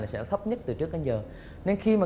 sẽ thấp nhất từ trước đến giờ